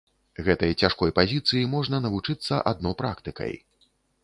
Гэтай цяжкой пазіцыі можна навучыцца адно практыкай.